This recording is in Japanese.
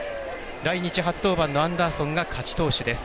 来日初登板のアンダーソンが勝ち投手です。